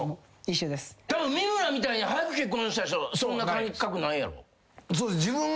たぶん三村みたいに早く結婚した人そんな感覚ないやろ？